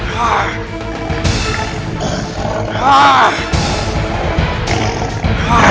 siapa sih ini